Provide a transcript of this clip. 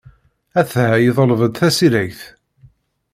Atḥa yeḍleb-d tasiregt.